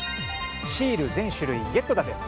シール全種類ゲットだぜ！